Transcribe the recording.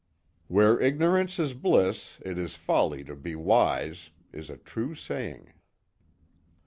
"Where ignorance is bliss, it is folly to be wise," is a true saying.